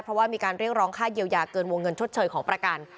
เพราะว่ามีการเรียกร้องค่าเยียวยาเกินวงเงินชดเชยของประกัน